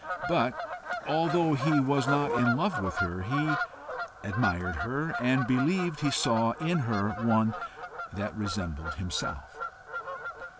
But, although he was not in love with her, he admired her, and believed he saw in her one that resembled himself.